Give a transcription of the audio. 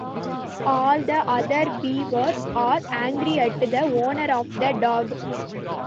All the other beavers are angry at the owner of the dog.